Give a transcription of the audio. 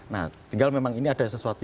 nah tinggal memang ini ada sesuatu